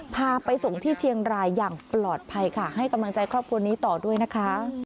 พาไปส่งที่เชียงรายอย่างปลอดภัยค่ะให้กำลังใจครอบครัวนี้ต่อด้วยนะคะ